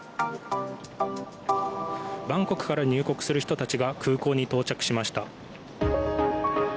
バンコクから入国する人たちが空港に到着しました。